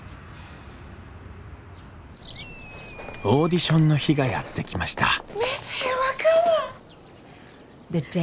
オーディションの日がやって来ました